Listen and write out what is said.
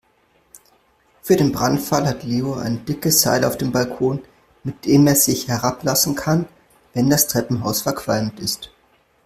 Für den Brandfall hat Leo ein dickes Seil auf dem Balkon, mit dem er sich herablassen kann, wenn das Treppenhaus verqualmt ist.